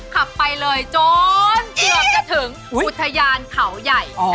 ขับไปเลยจนเกือบจะถึงอุทยานเขาใหญ่